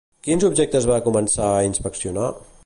Quins objectes va començar a inspeccionar?